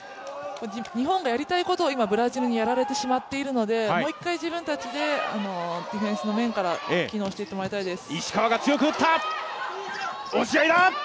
日本がやりたいことを今、ブラジルにやられてしまっているのでもう一回自分たちでディフェンスの面から機能していってもらいたいです。